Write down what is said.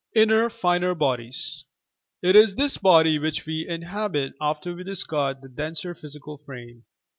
INNER, FINER BODIES It is this body which we inhabit after we discard the denser physical frame.